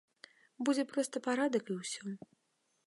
Будзе проста парадак і ўсё.